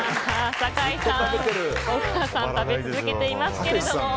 酒井さん、小倉さん食べ続けていますけども。